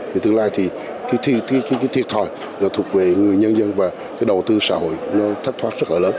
vì tương lai thì cái thiệt thòi nó thuộc về người nhân dân và cái đầu tư xã hội nó thất thoát rất là lớn